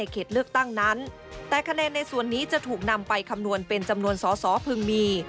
ก็จะเป็นจำนวนสอสอเพิ่งมี